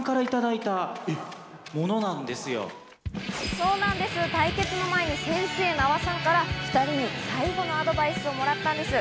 そうなんです、対決の前に先生・名和さんから２人に最後のアドバイスをもらったんです。